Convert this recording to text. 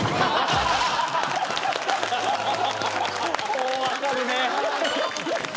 もう分かるね。